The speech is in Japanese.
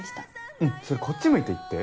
うんそれこっち向いて言って。